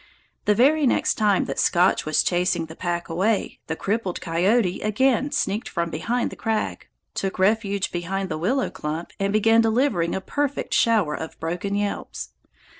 The very next time that Scotch was chasing the pack away, the crippled coyote again sneaked from behind the crag, took refuge behind the willow clump, and began delivering a perfect shower of broken yelps.